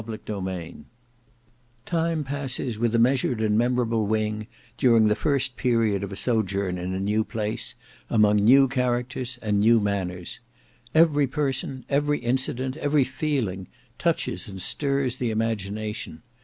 Book 3 Chapter 10 Time passes with a measured and memorable wing during the first period of a sojourn in a new place, among new characters and new manners. Every person, every incident, every feeling, touches and stirs the imagination.